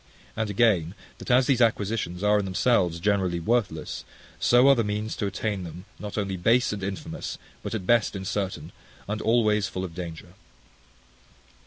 And again, that as these acquisitions are in themselves generally worthless, so are the means to attain them not only base and infamous, but at best incertain, and always full of danger.